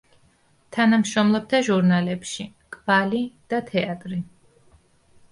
თანამშრომლობდა ჟურნალებში „კვალი“ და „თეატრი“.